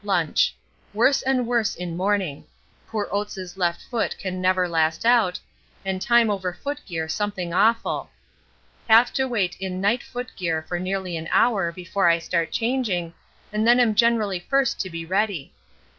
Lunch. Worse and worse in morning; poor Oates' left foot can never last out, and time over foot gear something awful. Have to wait in night foot gear for nearly an hour before I start changing, and then am generally first to be ready.